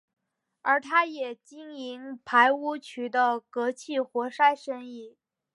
而他也经营排污渠的隔气活塞生意。